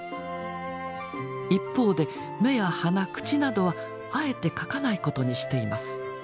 一方で目や鼻口などはあえて描かないことにしています。